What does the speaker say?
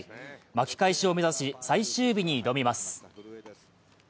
巻き返しを目指し最終日に挑みます。